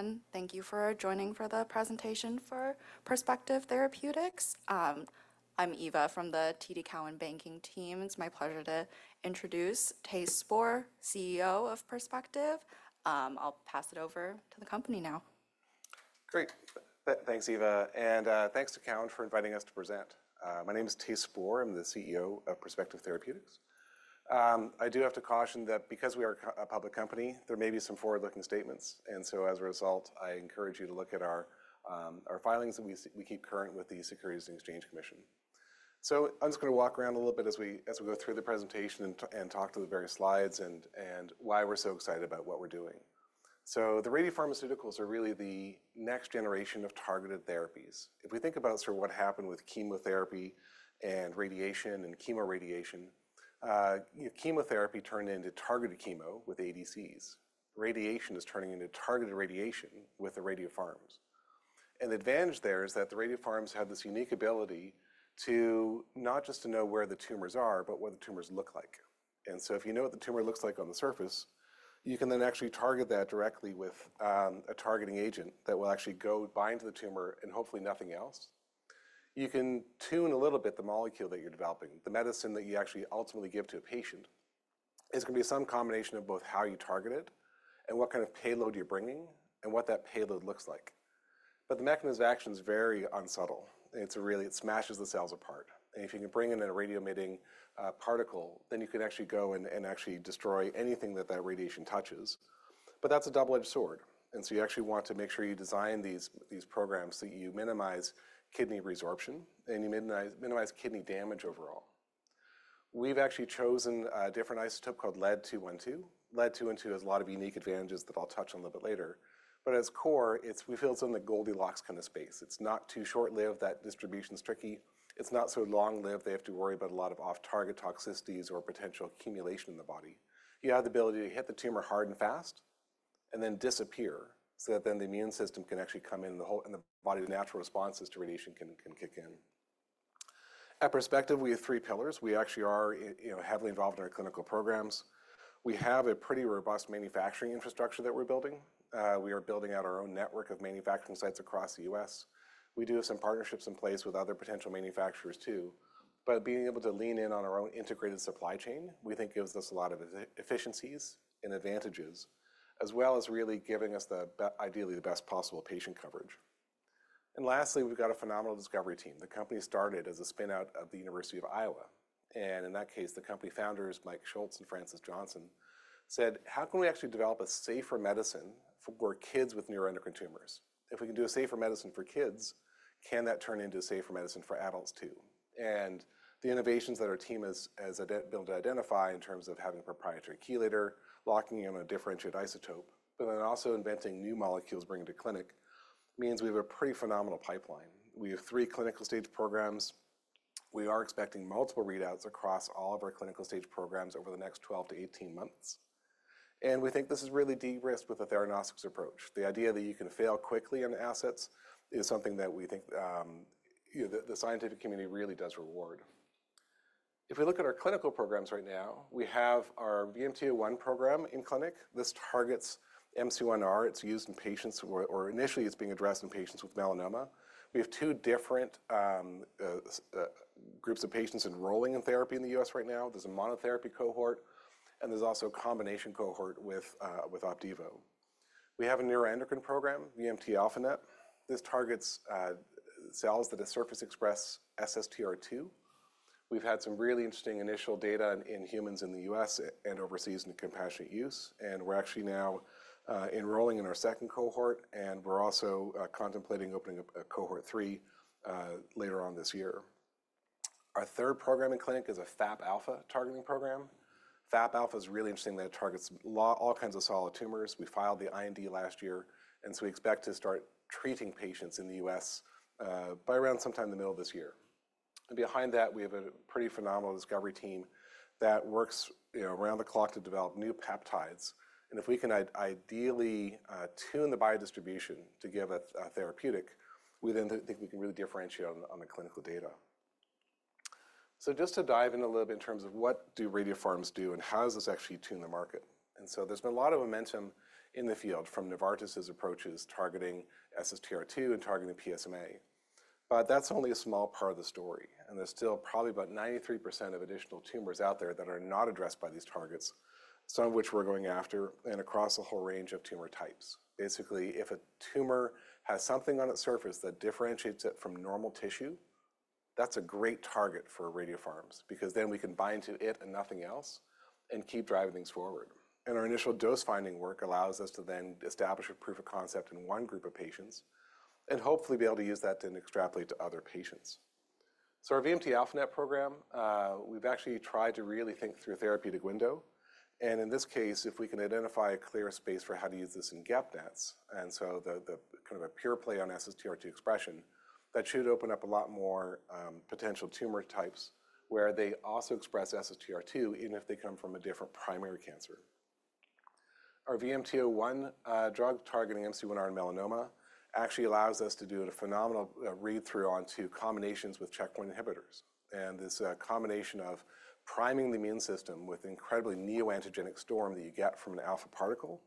Hi, everyone. Thank you for joining for the presentation for Perspective Therapeutics. I'm Eva from the TD Cowen Banking team. It's my pleasure to introduce Thijs Spoor, CEO of Perspective. I'll pass it over to the company now. Great. Thanks, Eva. Thanks to Cowen for inviting us to present. My name is Thijs Spoor. I'm the CEO of Perspective Therapeutics. I do have to caution that because we are a public company, there may be some forward-looking statements. As a result, I encourage you to look at our filings that we keep current with the Securities and Exchange Commission. I'm just going to walk around a little bit as we go through the presentation and talk through the various slides and why we're so excited about what we're doing. The radiopharmaceuticals are really the next-generation of targeted therapies. If we think about sort of what happened with chemotherapy and radiation and chemoradiation, chemotherapy turned into targeted chemo with ADCs. Radiation is turning into targeted radiation with the radiopharms. The advantage there is that the radiopharms have this unique ability to not just know where the tumors are, but what the tumors look like. If you know what the tumor looks like on the surface, you can then actually target that directly with a targeting agent that will actually go bind to the tumor and hopefully nothing else. You can tune a little bit the molecule that you're developing. The medicine that you actually ultimately give to a patient is going to be some combination of both how you target it and what kind of payload you're bringing and what that payload looks like. The mechanism of action is very unsubtle. It smashes the cells apart. If you can bring in a radio-emitting particle, then you can actually go and actually destroy anything that that radiation touches. That is a double-edged sword. You actually want to make sure you design these programs that you minimize kidney resorption and you minimize kidney damage overall. We've actually chosen a different isotope called lead-212. Lead-212 has a lot of unique advantages that I'll touch on a little bit later. At its core, we feel it's in the Goldilocks kind of space. It's not too short-lived. That distribution is tricky. It's not so long-lived. You have to worry about a lot of off-target toxicity or potential accumulation in the body. You have the ability to hit the tumor hard and fast and then disappear so that the immune system can actually come in and the body's natural responses to radiation can kick in. At Perspective, we have three pillars. We actually are heavily involved in our clinical programs. We have a pretty robust manufacturing infrastructure that we're building. We are building out our own network of manufacturing sites across the U.S. We do have some partnerships in place with other potential manufacturers too. Being able to lean in on our own integrated supply chain, we think gives us a lot of efficiencies and advantages, as well as really giving us ideally the best possible patient coverage. Lastly, we've got a phenomenal discovery team. The company started as a spinout of the University of Iowa. In that case, the company founders, Mike Schultz and Frances Johnson, said, "How can we actually develop a safer medicine for kids with neuroendocrine tumors? If we can do a safer medicine for kids, can that turn into a safer medicine for adults too? The innovations that our team has been able to identify in terms of having a proprietary chelator, locking in a differentiated isotope, but then also inventing new molecules bringing to clinic means we have a pretty phenomenal pipeline. We have three clinical-stage programs. We are expecting multiple readouts across all of our clinical-stage programs over the next 12 to 18 months. We think this is really de-risked with a diagnostics approach. The idea that you can fail quickly on assets is something that we think the scientific community really does reward. If we look at our clinical programs right now, we have our VMT-01 program in clinic. This targets MC1R. It is used in patients or initially it is being addressed in patients with melanoma. We have two different groups of patients enrolling in therapy in the U.S. right now. There's a monotherapy cohort, and there's also a combination cohort with Opdivo. We have a neuroendocrine program, VMT-α-NET. This targets cells that surface express SSTR2. We've had some really interesting initial data in humans in the U.S. and overseas in compassionate use. We're actually now enrolling in our second cohort, and we're also contemplating opening a cohort three later on this year. Our third program in clinic is a FAPα targeting program. FAPα is really interesting in that it targets all kinds of solid tumors. We filed the IND last year, and we expect to start treating patients in the U.S. by around sometime in the middle of this year. Behind that, we have a pretty phenomenal discovery team that works around the clock to develop new peptides. If we can ideally tune the biodistribution to give a therapeutic, we then think we can really differentiate on the clinical data. Just to dive in a little bit in terms of what do radiopharms do and how does this actually tune the market. There has been a lot of momentum in the field from Novartis' approaches targeting SSTR2 and targeting PSMA. That is only a small part of the story. There is still probably about 93% of additional tumors out there that are not addressed by these targets, some of which we are going after and across a whole range of tumor types. Basically, if a tumor has something on its surface that differentiates it from normal tissue, that is a great target for radiopharms because then we can bind to it and nothing else and keep driving things forward. Our initial dose-finding work allows us to then establish a proof of concept in one group of patients and hopefully be able to use that to extrapolate to other patients. Our VMT-α-NET program, we've actually tried to really think through a therapeutic window. In this case, if we can identify a clear space for how to use this in GEP-NETs, and the kind of a pure play on SSTR2 expression, that should open up a lot more potential tumor types where they also express SSTR2, even if they come from a different primary cancer. Our VMT-01 drug targeting MC1R melanoma actually allows us to do a phenomenal read-through onto combinations with checkpoint inhibitors. This combination of priming the immune system with incredibly neoantigenic storm that you get from an alpha particle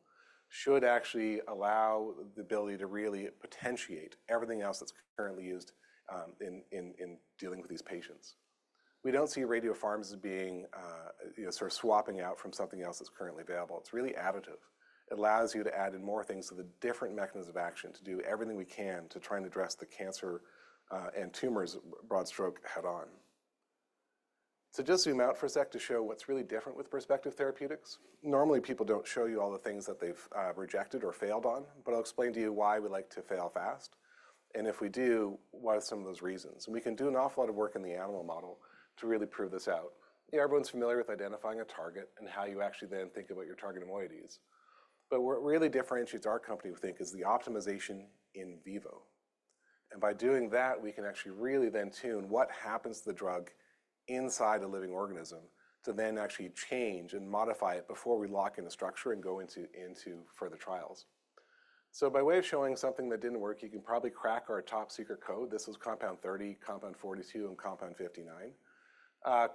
should actually allow the ability to really potentiate everything else that's currently used in dealing with these patients. We don't see radiopharms as being sort of swapping out from something else that's currently available. It's really additive. It allows you to add in more things to the different mechanisms of action to do everything we can to try and address the cancer and tumors' broad stroke head-on. Just zoom out for a sec to show what's really different with Perspective Therapeutics. Normally, people don't show you all the things that they've rejected or failed on, but I'll explain to you why we like to fail fast. If we do, what are some of those reasons? We can do an awful lot of work in the animal model to really prove this out. Everyone's familiar with identifying a target and how you actually then think about your target moieties. What really differentiates our company, we think, is the optimization in vivo. By doing that, we can actually really then tune what happens to the drug inside a living organism to then actually change and modify it before we lock in a structure and go into further trials. By way of showing something that did not work, you can probably crack our top secret code. This was Compound 30, Compound 42, and Compound 59.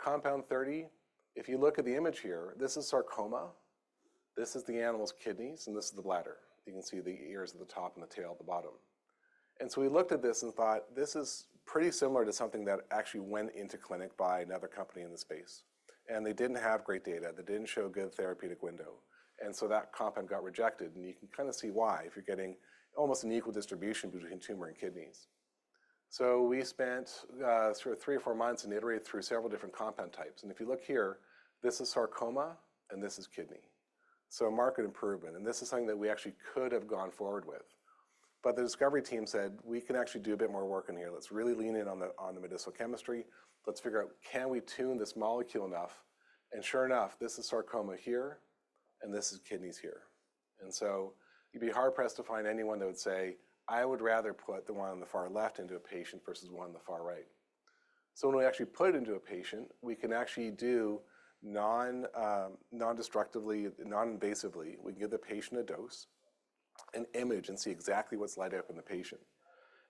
Compound 30, if you look at the image here, this is sarcoma. This is the animal's kidneys, and this is the bladder. You can see the ears at the top and the tail at the bottom. We looked at this and thought, this is pretty similar to something that actually went into clinic by another company in the space. They did not have great data. They did not show a good therapeutic window. That compound got rejected. You can kind of see why if you are getting almost an equal distribution between tumor and kidneys. We spent three or four months and iterated through several different compound types. If you look here, this is sarcoma, and this is kidney. A marked improvement. This is something that we actually could have gone forward with. The discovery team said, we can actually do a bit more work in here. Let's really lean in on the medicinal chemistry. Let's figure out, can we tune this molecule enough? Sure enough, this is sarcoma here, and this is kidneys here. You'd be hard-pressed to find anyone that would say, I would rather put the one on the far left into a patient versus the one on the far right. When we actually put it into a patient, we can actually do it non-destructively, non-invasively. We can give the patient a dose, image, and see exactly what's lighting up in the patient.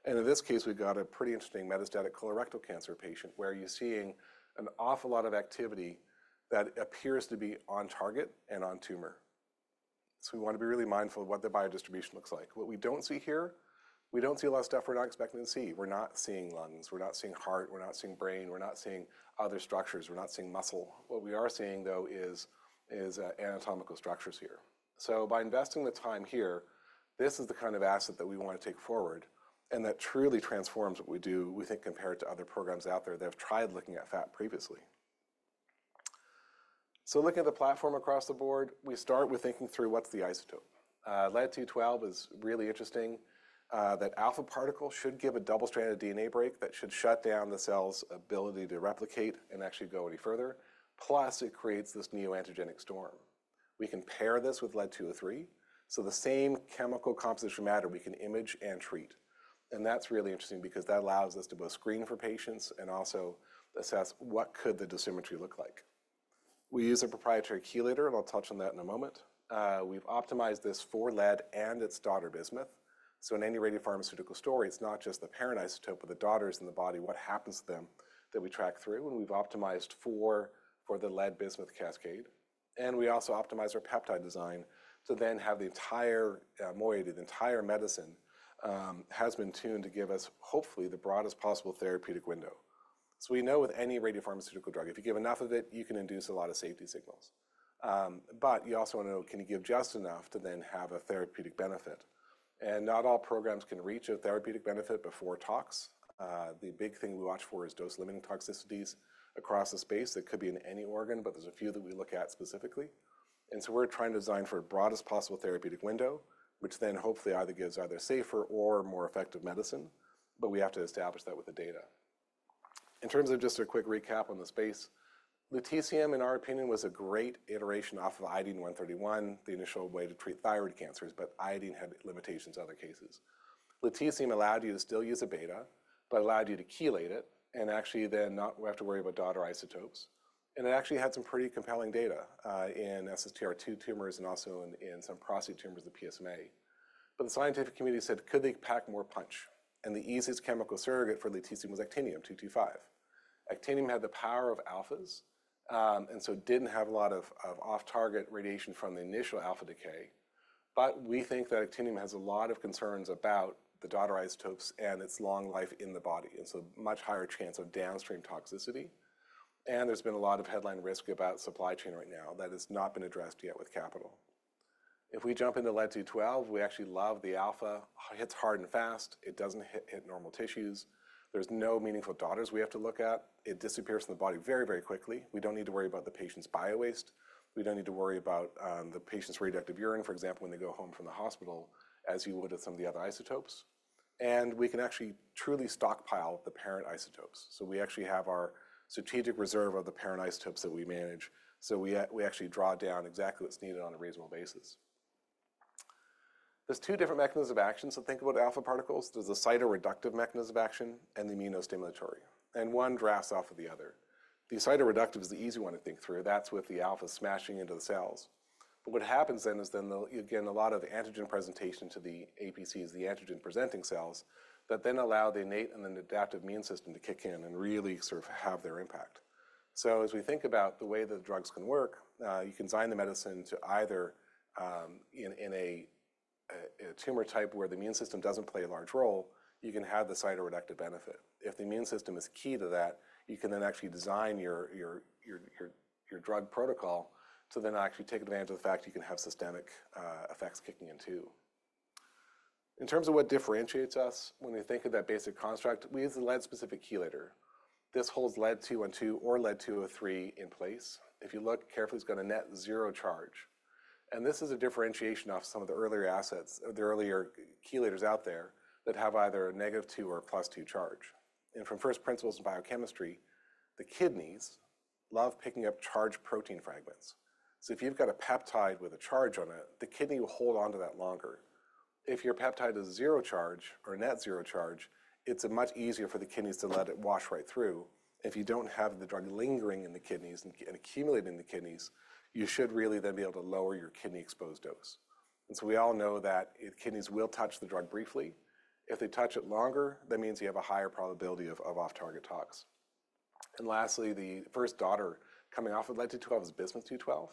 In this case, we got a pretty interesting metastatic colorectal cancer patient where you're seeing an awful lot of activity that appears to be on target and on tumor. We want to be really mindful of what the biodistribution looks like. What we do not see here, we do not see a lot of stuff we're not expecting to see. We're not seeing lungs. We're not seeing heart. We're not seeing brain. We're not seeing other structures. We're not seeing muscle. What we are seeing, though, is anatomical structures here. By investing the time here, this is the kind of asset that we want to take forward and that truly transforms what we do, we think, compared to other programs out there that have tried looking at FAP previously. Looking at the platform across the board, we start with thinking through what's the isotope. Lead-212 is really interesting. That alpha particle should give a double-stranded DNA break that should shut down the cell's ability to replicate and actually go any further. Plus, it creates this neoantigenic storm. We can pair this with lead-203. The same chemical composition matter, we can image and treat. That is really interesting because that allows us to both screen for patients and also assess what could the dosimetry look like. We use a proprietary chelator, and I'll touch on that in a moment. We've optimized this for lead and its daughter, bismuth. In any radiopharmaceutical story, it's not just the parent isotope, but the daughters in the body, what happens to them that we track through. We've optimized for the lead-bismuth cascade. We also optimize our peptide design to then have the entire moiety, the entire medicine, has been tuned to give us hopefully the broadest possible therapeutic window. We know with any radiopharmaceutical drug, if you give enough of it, you can induce a lot of safety signals. You also want to know, can you give just enough to then have a therapeutic benefit? Not all programs can reach a therapeutic benefit before talks. The big thing we watch for is dose-limiting toxicities across the space. It could be in any organ, but there's a few that we look at specifically. We are trying to design for a broadest possible therapeutic window, which then hopefully either gives either safer or more effective medicine. We have to establish that with the data. In terms of just a quick recap on the space, lutetium, in our opinion, was a great iteration off of iodine-131, the initial way to treat thyroid cancers, but iodine had limitations in other cases. Lutetium allowed you to still use a beta, but allowed you to chelate it and actually then not have to worry about daughter isotopes. It actually had some pretty compelling data in SSTR2 tumors and also in some prostate tumors of PSMA. The scientific community said, could they pack more punch? The easiest chemical surrogate for lutetium was actinium-225. Actinium had the power of alphas and so did not have a lot of off-target radiation from the initial alpha decay. We think that actinium has a lot of concerns about the daughter isotopes and its long life in the body. There is a much higher chance of downstream toxicity. There has been a lot of headline risk about supply chain right now that has not been addressed yet with capital. If we jump into lead-212, we actually love the alpha. It hits hard and fast. It does not hit normal tissues. There are no meaningful daughters we have to look at. It disappears from the body very, very quickly. We do not need to worry about the patient's bio-waste. We do not need to worry about the patient's radioactive urine, for example, when they go home from the hospital, as you would with some of the other isotopes. We can actually truly stockpile the parent isotopes. We actually have our strategic reserve of the parent isotopes that we manage. We actually draw down exactly what's needed on a reasonable basis. There are two different mechanisms of action. Think about alpha particles. There is the cytoreductive mechanism of action and the immunostimulatory. One drafts off of the other. The cytoreductive is the easy one to think through. That is with the alpha smashing into the cells. What happens then is, again, a lot of antigen presentation to the APCs, the antigen-presenting cells that then allow the innate and then adaptive immune system to kick in and really sort of have their impact. As we think about the way that the drugs can work, you can design the medicine to either, in a tumor type where the immune system doesn't play a large role, you can have the cytoreductive benefit. If the immune system is key to that, you can then actually design your drug protocol to then actually take advantage of the fact you can have systemic effects kicking in too. In terms of what differentiates us, when we think of that basic construct, we use the lead-specific chelator. This holds lead-212 or lead-203 in place. If you look carefully, it's got a net zero charge. This is a differentiation off some of the earlier assets or the earlier chelators out there that have either a negative two or a plus two charge. From first principles in biochemistry, the kidneys love picking up charged protein fragments. If you've got a peptide with a charge on it, the kidney will hold on to that longer. If your peptide is zero charge or net zero charge, it's much easier for the kidneys to let it wash right through. If you don't have the drug lingering in the kidneys and accumulating in the kidneys, you should really then be able to lower your kidney exposed dose. We all know that kidneys will touch the drug briefly. If they touch it longer, that means you have a higher probability of off-target toxicity. Lastly, the first daughter coming off of lead-212 is bismuth-212.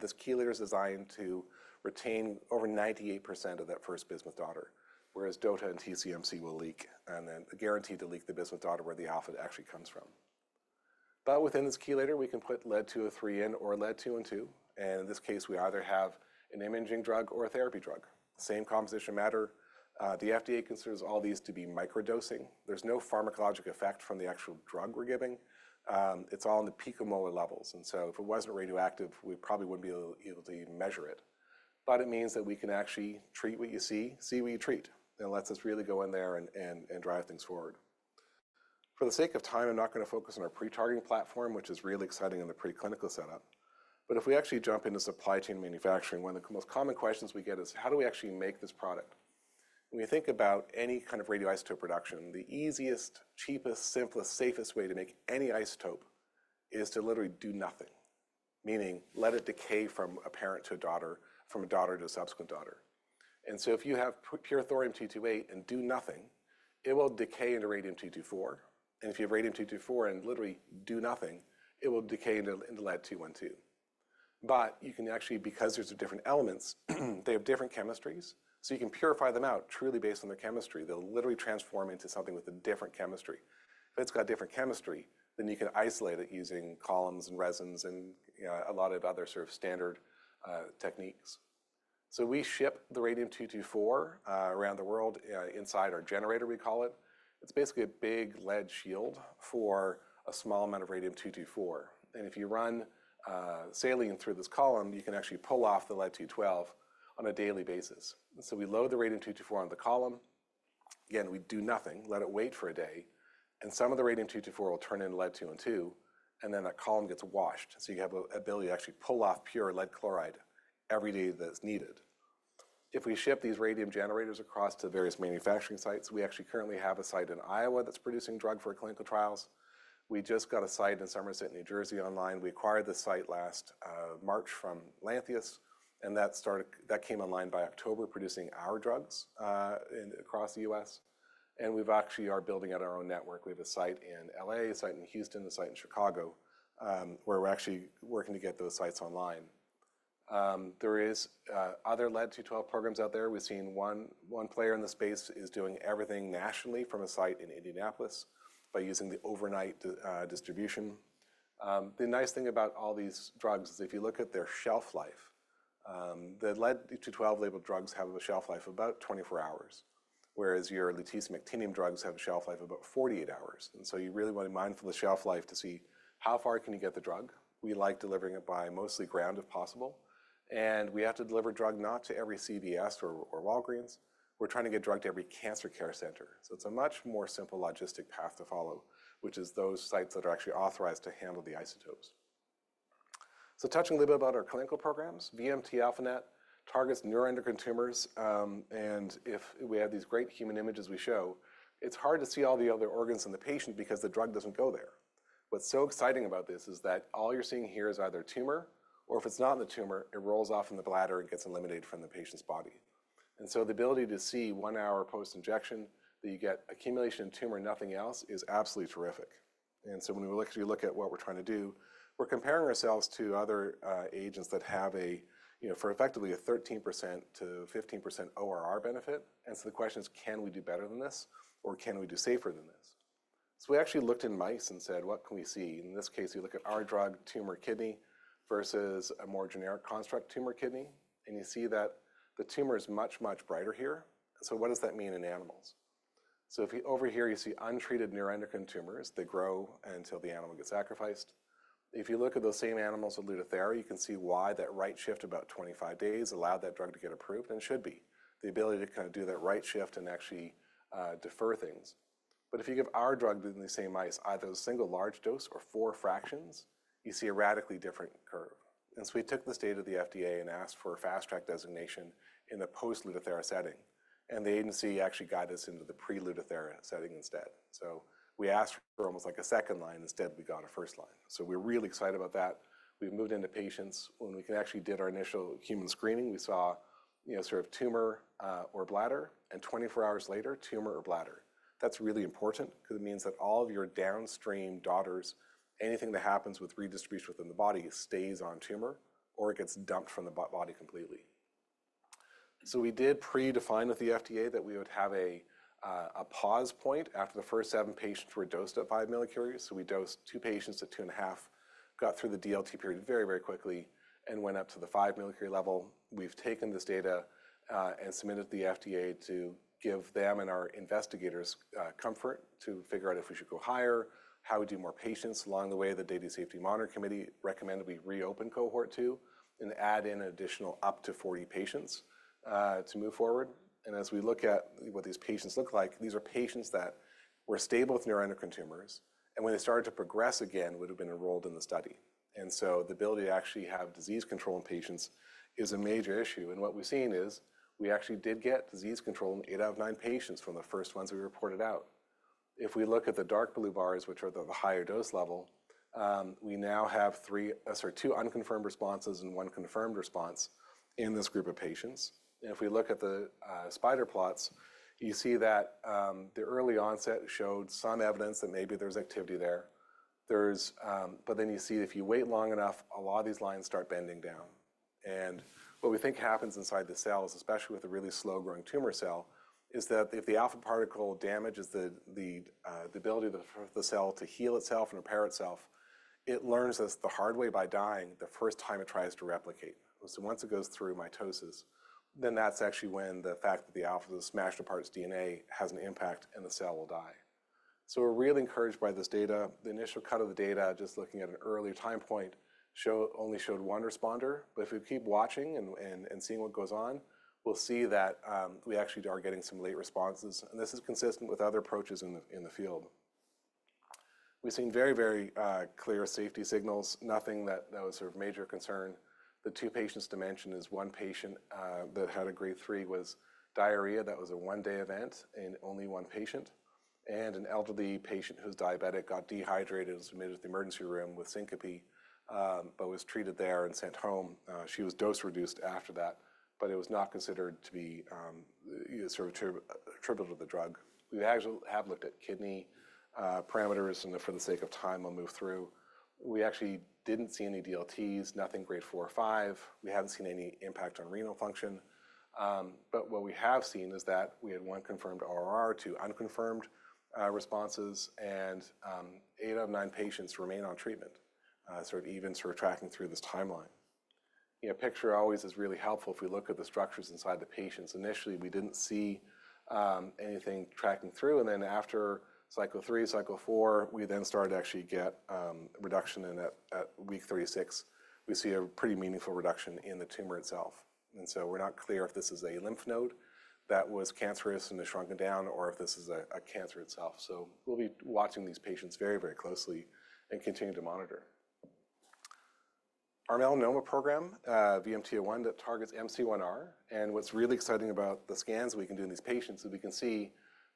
This chelator is designed to retain over 98% of that first bismuth daughter, whereas DOTA and TCMC will leak and then guarantee to leak the bismuth daughter where the alpha actually comes from. Within this chelator, we can put lead-203 in or lead-212. In this case, we either have an imaging drug or a therapy drug. Same composition matter. The FDA considers all these to be microdosing. There is no pharmacologic effect from the actual drug we are giving. It is all in the picomolar levels. If it was not radioactive, we probably would not be able to measure it. It means that we can actually treat what you see, see what you treat. It lets us really go in there and drive things forward. For the sake of time, I am not going to focus on our pretargeting platform, which is really exciting in the preclinical setup. If we actually jump into supply chain manufacturing, one of the most common questions we get is, how do we actually make this product? When you think about any kind of radioisotope production, the easiest, cheapest, simplest, safest way to make any isotope is to literally do nothing, meaning let it decay from a parent to a daughter, from a daughter to a subsequent daughter. If you have pure thorium-228 and do nothing, it will decay into radium-224. If you have radium-224 and literally do nothing, it will decay into lead-212. You can actually, because there are different elements, they have different chemistries. You can purify them out truly based on their chemistry. They will literally transform into something with a different chemistry. If it has different chemistry, then you can isolate it using columns and resins and a lot of other sort of standard techniques. We ship the radium-224 around the world inside our generator, we call it. It's basically a big lead shield for a small amount of radium-224. If you run saline through this column, you can actually pull off the lead-212 on a daily basis. We load the radium-224 on the column. Again, we do nothing, let it wait for a day. Some of the radium-224 will turn into lead-212, and that column gets washed. You have an ability to actually pull off pure lead chloride every day that's needed. If we ship these radium generators across to various manufacturing sites, we actually currently have a site in Iowa that's producing drug for clinical trials. We just got a site in Somerset, New Jersey, online. We acquired the site last March from Lantheus, and that came online by October, producing our drugs across the U.S. We actually are building out our own network. We have a site in LA, a site in Houston, a site in Chicago, where we're actually working to get those sites online. There are other lead-212 programs out there. We've seen one player in the space is doing everything nationally from a site in Indianapolis by using the overnight distribution. The nice thing about all these drugs is if you look at their shelf life, the lead-212 labeled drugs have a shelf life of about 24 hours, whereas your lutetium-actinium drugs have a shelf life of about 48 hours. You really want to be mindful of the shelf life to see how far can you get the drug. We like delivering it by mostly ground if possible. We have to deliver drug not to every CVS or Walgreens. We're trying to get drug to every cancer care center. It's a much more simple logistic path to follow, which is those sites that are actually authorized to handle the isotopes. Touching a little bit about our clinical programs, VMT-α-NET targets neuroendocrine tumors. If we have these great human images we show, it's hard to see all the other organs in the patient because the drug doesn't go there. What's so exciting about this is that all you're seeing here is either tumor, or if it's not in the tumor, it rolls off in the bladder and gets eliminated from the patient's body. The ability to see one hour post-injection that you get accumulation in tumor, nothing else, is absolutely terrific. When we actually look at what we're trying to do, we're comparing ourselves to other agents that have effectively a 13%-15% ORR benefit. The question is, can we do better than this, or can we do safer than this? We actually looked in mice and said, what can we see? In this case, you look at our drug, tumor kidney versus a more generic construct, tumor kidney. You see that the tumor is much, much brighter here. What does that mean in animals? Over here, you see untreated neuroendocrine tumors. They grow until the animal gets sacrificed. If you look at those same animals with Lutathera, you can see why that right shift about 25 days allowed that drug to get approved and should be. The ability to kind of do that right shift and actually defer things. If you give our drug in the same mice, either a single large dose or four fractions, you see a radically different curve. We took this data to the FDA and asked for a Fast Track designation in the post-Lutathera setting. The agency actually got us into the pre-Lutathera setting instead. We asked for almost like a second line. Instead, we got a first line. We are really excited about that. We have moved into patients. When we actually did our initial human screening, we saw sort of tumor or bladder, and 24 hours later, tumor or bladder. That is really important because it means that all of your downstream daughters, anything that happens with redistribution within the body, stays on tumor or it gets dumped from the body completely. We did pre-define with the FDA that we would have a pause point after the first seven patients were dosed at 5 millicuries. We dosed two patients at 2.5, got through the DLT period very, very quickly, and went up to the 5 millicurie level. We have taken this data and submitted it to the FDA to give them and our investigators comfort to figure out if we should go higher, how we do more patients along the way. The Data Safety Monitoring Committee recommended we reopen cohort two and add in an additional up to 40 patients to move forward. As we look at what these patients look like, these are patients that were stable with neuroendocrine tumors, and when they started to progress again, would have been enrolled in the study. The ability to actually have disease control in patients is a major issue. What we have seen is we actually did get disease control in eight out of nine patients from the first ones we reported out. If we look at the dark blue bars, which are the higher dose level, we now have two unconfirmed responses and one confirmed response in this group of patients. If we look at the spider plots, you see that the early onset showed some evidence that maybe there's activity there. You see if you wait long enough, a lot of these lines start bending down. What we think happens inside the cells, especially with a really slow-growing tumor cell, is that if the alpha particle damages the ability of the cell to heal itself and repair itself, it learns this the hard way by dying the first time it tries to replicate. Once it goes through mitosis, that's actually when the fact that the alpha has smashed apart its DNA has an impact and the cell will die. We're really encouraged by this data. The initial cut of the data, just looking at an earlier time point, only showed one responder. If we keep watching and seeing what goes on, we'll see that we actually are getting some late responses. This is consistent with other approaches in the field. We've seen very, very clear safety signals, nothing that was sort of major concern. The two patients to mention is one patient that had a grade 3 was diarrhea. That was a one-day event in only one patient. An elderly patient who was diabetic got dehydrated and was admitted to the emergency room with syncope but was treated there and sent home. She was dose-reduced after that, but it was not considered to be sort of attributable to the drug. We actually have looked at kidney parameters, and for the sake of time, I'll move through. We actually didn't see any DLTs, nothing grade four or five. We hadn't seen any impact on renal function. What we have seen is that we had one confirmed ORR, two unconfirmed responses, and eight out of nine patients remain on treatment, sort of even sort of tracking through this timeline. A picture always is really helpful if we look at the structures inside the patients. Initially, we didn't see anything tracking through. After cycle three, cycle four, we then started to actually get reduction in at week 36. We see a pretty meaningful reduction in the tumor itself. We are not clear if this is a lymph node that was cancerous and has shrunken down or if this is a cancer itself. We will be watching these patients very, very closely and continue to monitor. Our melanoma program, VMT-01, that targets MC1R. What's really exciting about the scans we can do in these patients is we can see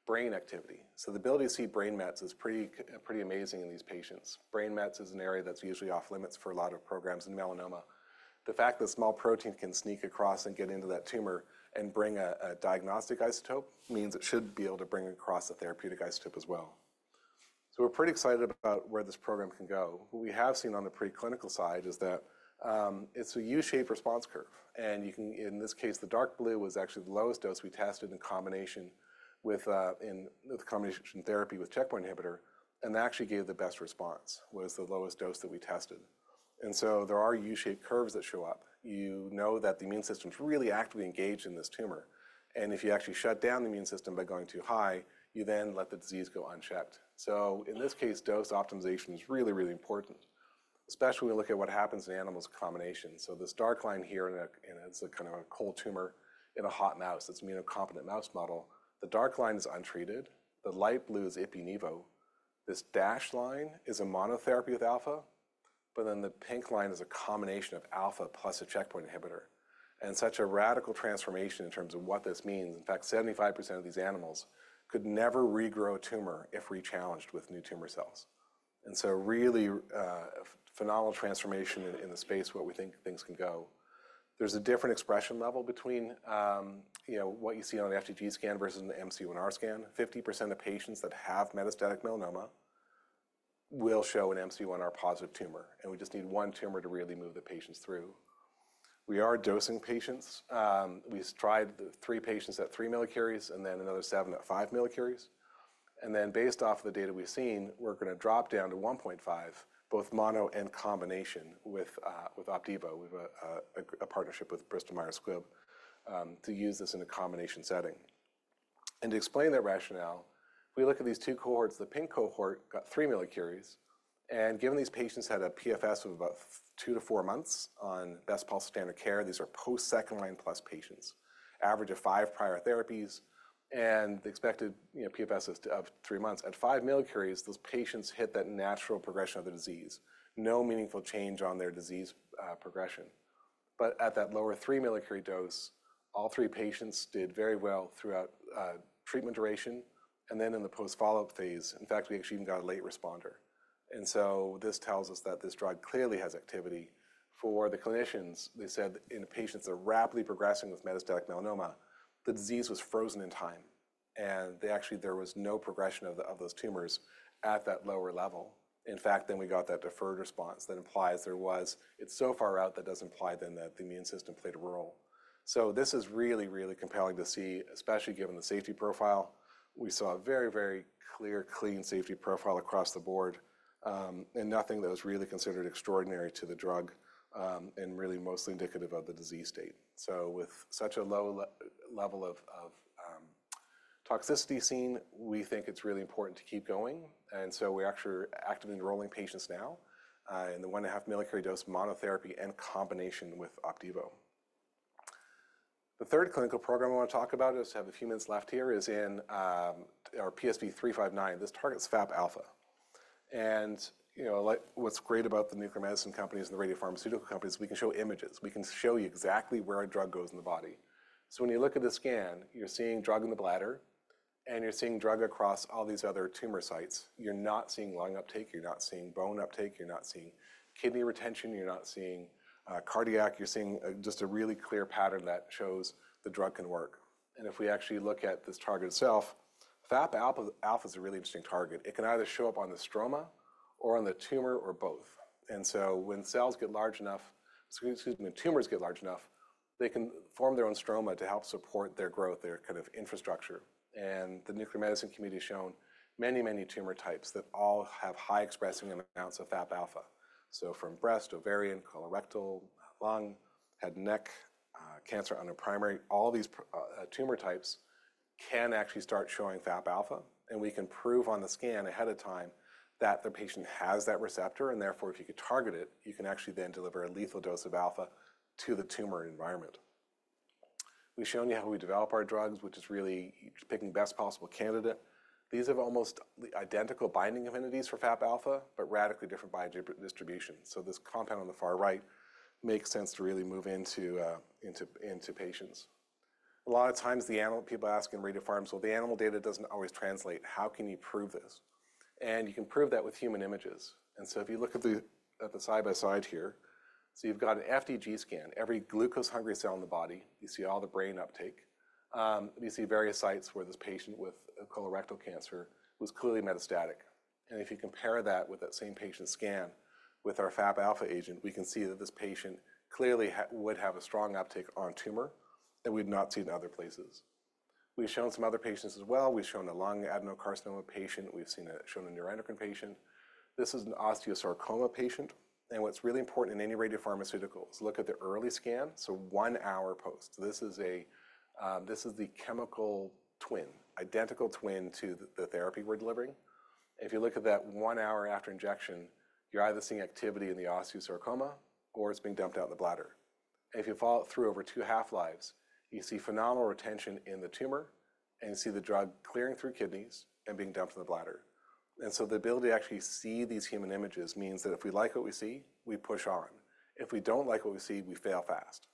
brain activity. The ability to see brain mets is pretty amazing in these patients. Brain mets is an area that's usually off-limits for a lot of programs in melanoma. The fact that small proteins can sneak across and get into that tumor and bring a diagnostic isotope means it should be able to bring across a therapeutic isotope as well. We are pretty excited about where this program can go. What we have seen on the preclinical side is that it's a U-shaped response curve. In this case, the dark blue was actually the lowest dose we tested in combination with therapy with checkpoint inhibitor. That actually gave the best response, was the lowest dose that we tested. There are U-shaped curves that show up. You know that the immune system is really actively engaged in this tumor. If you actually shut down the immune system by going too high, you then let the disease go unchecked. In this case, dose optimization is really, really important, especially when we look at what happens in animals' combination. This dark line here, and it's kind of a cold tumor in a hot mouse. It's an immunocompetent mouse model. The dark line is untreated. The light blue is Ipi-Nivo. This dashed line is a monotherapy with alpha. The pink line is a combination of alpha plus a checkpoint inhibitor. Such a radical transformation in terms of what this means. In fact, 75% of these animals could never regrow a tumor if re-challenged with new tumor cells. Really phenomenal transformation in the space where we think things can go. There is a different expression level between what you see on an FDG scan versus an MC1R scan. 50% of patients that have metastatic melanoma will show an MC1R positive tumor. We just need one tumor to really move the patients through. We are dosing patients. We tried three patients at 3 millicuries and then another seven at 5 millicuries. Based off of the data we've seen, we are going to drop down to 1.5, both mono and combination with Opdivo. We have a partnership with Bristol Myers Squibb to use this in a combination setting. To explain that rationale, we look at these two cohorts. The pink cohort got 3 millicuries. Given these patients had a PFS of about two to four months on best pulse standard care, these are post-second-line plus patients, average of five prior therapies, and the expected PFS is three months. At 5 millicuries, those patients hit that natural progression of the disease. No meaningful change on their disease progression. At that lower 3 millicurie dose, all three patients did very well throughout treatment duration. In the post-follow-up phase, in fact, we actually even got a late responder. This tells us that this drug clearly has activity. For the clinicians, they said in patients that are rapidly progressing with metastatic melanoma, the disease was frozen in time. There was no progression of those tumors at that lower level. In fact, then we got that deferred response that implies there was it's so far out that does imply then that the immune system played a role. This is really, really compelling to see, especially given the safety profile. We saw a very, very clear, clean safety profile across the board and nothing that was really considered extraordinary to the drug and really mostly indicative of the disease state. With such a low level of toxicity seen, we think it's really important to keep going. We're actually actively enrolling patients now in the 1.5 millicurie dose monotherapy and combination with Opdivo. The third clinical program I want to talk about, just have a few minutes left here, is in our PSV359. This targets FAP alpha. What's great about the nuclear medicine companies and the radiopharmaceutical companies, we can show images. We can show you exactly where a drug goes in the body. When you look at the scan, you're seeing drug in the bladder, and you're seeing drug across all these other tumor sites. You're not seeing lung uptake. You're not seeing bone uptake. You're not seeing kidney retention. You're not seeing cardiac. You're seeing just a really clear pattern that shows the drug can work. If we actually look at this target itself, FAP alpha is a really interesting target. It can either show up on the stroma or on the tumor or both. When tumors get large enough, they can form their own stroma to help support their growth, their kind of infrastructure. The nuclear medicine community has shown many, many tumor types that all have high expressing amounts of FAP alpha. From breast, ovarian, colorectal, lung, head, neck, cancer on the primary, all these tumor types can actually start showing FAP alpha. We can prove on the scan ahead of time that the patient has that receptor. Therefore, if you could target it, you can actually then deliver a lethal dose of alpha to the tumor environment. We've shown you how we develop our drugs, which is really picking best possible candidate. These have almost identical binding affinities for FAP alpha, but radically different binding distributions. This compound on the far right makes sense to really move into patients. A lot of times, people ask in radio farms, the animal data doesn't always translate. How can you prove this? You can prove that with human images. If you look at the side by side here, you've got an FDG scan. Every glucose-hungry cell in the body, you see all the brain uptake. We see various sites where this patient with colorectal cancer was clearly metastatic. If you compare that with that same patient's scan with our FAP alpha agent, we can see that this patient clearly would have a strong uptake on tumor that we've not seen in other places. We've shown some other patients as well. We've shown a lung adenocarcinoma patient. We've shown a neuroendocrine patient. This is an osteosarcoma patient. What's really important in any radiopharmaceutical is look at the early scan, so one hour post. This is the chemical twin, identical twin to the therapy we're delivering. If you look at that one hour after injection, you're either seeing activity in the osteosarcoma or it's being dumped out in the bladder. If you follow it through over two half-lives, you see phenomenal retention in the tumor, and you see the drug clearing through kidneys and being dumped in the bladder. The ability to actually see these human images means that if we like what we see, we push on. If we do not like what we see, we fail fast.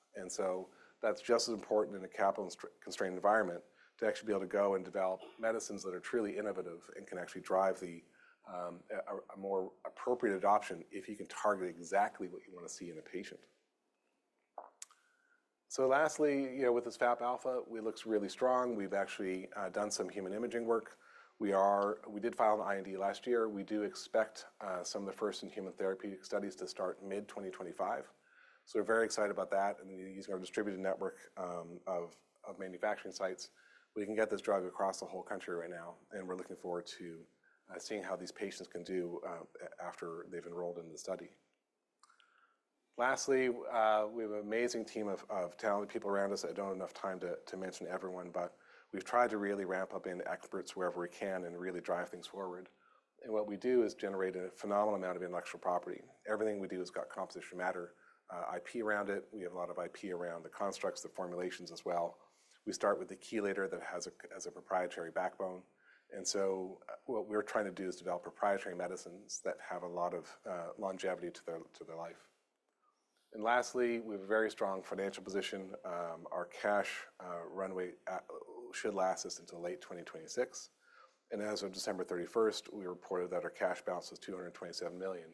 That is just as important in a capital constrained environment to actually be able to go and develop medicines that are truly innovative and can actually drive a more appropriate adoption if you can target exactly what you want to see in a patient. Lastly, with this FAP alpha, it looks really strong. We have actually done some human imaging work. We did file an IND last year. We do expect some of the first-in-human therapeutic studies to start mid-2025. We are very excited about that. Using our distributed network of manufacturing sites, we can get this drug across the whole country right now. We are looking forward to seeing how these patients can do after they have enrolled in the study. Lastly, we have an amazing team of talented people around us. I do not have enough time to mention everyone, but we have tried to really ramp up in experts wherever we can and really drive things forward. What we do is generate a phenomenal amount of intellectual property. Everything we do has got composition matter, IP around it. We have a lot of IP around the constructs, the formulations as well. We start with the chelator that has a proprietary backbone. What we are trying to do is develop proprietary medicines that have a lot of longevity to their life. Lastly, we have a very strong financial position. Our cash runway should last us until late 2026. As of December 31, we reported that our cash balance was $227 million,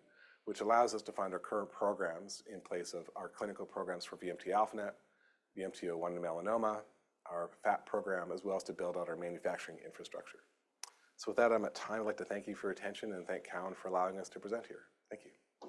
which allows us to fund our current programs in place of our clinical programs for VMT-α-NET, VMT-01 melanoma, our FAPα program, as well as to build out our manufacturing infrastructure. I'm at time. I'd like to thank you for your attention and thank Cowen for allowing us to present here. Thank you.